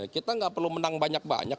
kita nggak perlu menang banyak banyak